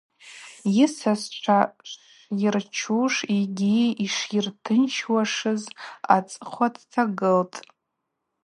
Йысасчва шйырчуш йгьи йшйыртынчуашыз ацӏыхъва дтагылтӏ.